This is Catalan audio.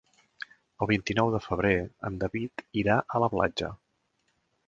El vint-i-nou de febrer en David irà a la platja.